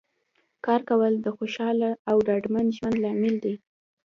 کار کول د خوشحاله او ډاډمن ژوند لامل دی